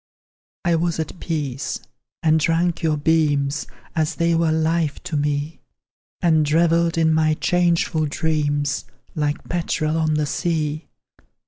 I was at peace, and drank your beams As they were life to me; And revelled in my changeful dreams, Like petrel on the sea.